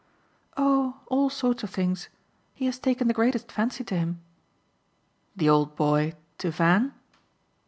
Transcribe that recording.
"Oh all sorts of things. He has taken the greatest fancy to him." "The old boy to Van?"